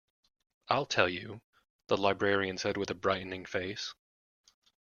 I'll tell you, the librarian said with a brightening face.